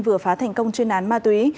vừa phá thành công chuyên án ma túy